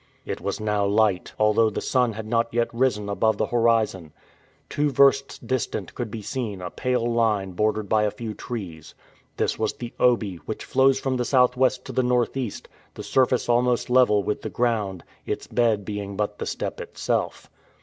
It was now light, although the sun had not yet risen above the horizon. Two versts distant could be seen a pale line bordered by a few trees. This was the Obi, which flows from the southwest to the northeast, the surface almost level with the ground, its bed being but the steppe itself.